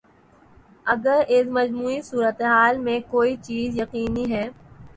اگر اس مجموعی صورت حال میں کوئی چیز یقینی ہے۔